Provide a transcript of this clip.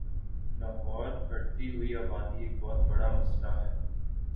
لاہور بڑھتی ہوئی آبادی ایک بہت بڑا مسلہ ہے